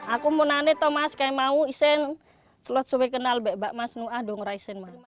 aku mau nanya tau mas kaya mau isen selalu saya kenal mbak mas nuah dong raisen